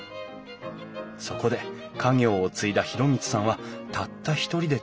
そこで家業を継いだ裕光さんはたった一人で取り組むことにした。